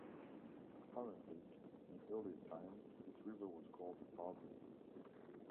Apparently, in earlier times, this river was called the Tarvin.